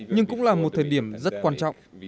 nhưng cũng là một thời điểm rất quan trọng